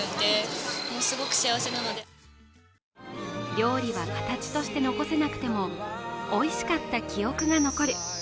料理は形として残せなくてもおいしかった記憶が残る。